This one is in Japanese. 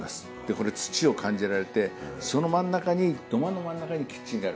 これ土を感じられて土間の真ん中にキッチンがある。